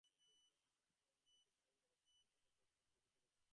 যে-সব সমস্যা আমি সমাধান করতে পারি নি, রহস্য- খাতায় সেইসব লিখে রেখেছি।